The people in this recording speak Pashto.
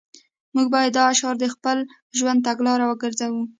موږ باید دا شعار د خپل ژوند تګلاره وګرځوو